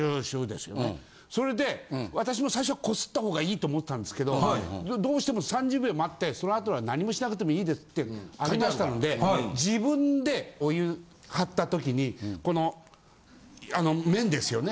それで私も最初はこすった方がいいと思ったんですけどどうしても３０秒待ってその後は何もしなくてもいいですってありましたんで自分でお湯張った時にこの面ですよね